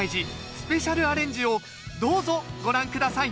スペシャルアレンジをどうぞご覧下さい